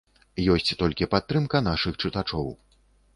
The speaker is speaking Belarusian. Ёсць толькі падтрымка нашых чытачоў.